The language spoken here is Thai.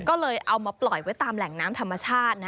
ก็เลยเอามาปล่อยไว้ตามแหล่งน้ำธรรมชาติ